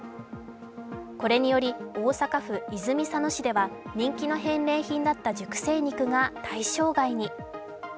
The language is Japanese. これにより大阪府泉佐野市では人気の返礼品だった熟成肉が対象外に。